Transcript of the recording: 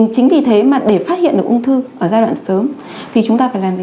chính vì thế mà để phát hiện được ung thư ở giai đoạn sớm thì chúng ta phải làm gì